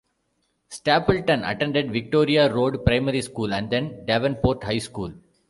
Stapleton attended Victoria Road Primary School and then Devonport High School.